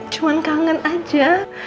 cuman kangen aja